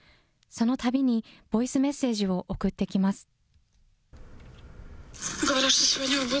そのたびに、ボイスメッセージを送ってきます。